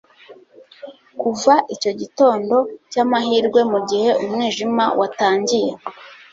kuva icyo gitondo cyamahirwe mugihe umwijima watangiye